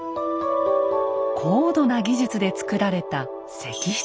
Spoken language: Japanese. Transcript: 高度な技術でつくられた石室。